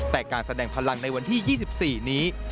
แต่การแสดงพลังในวันที่๒๔นี้